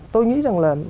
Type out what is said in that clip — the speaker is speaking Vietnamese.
tôi nghĩ rằng là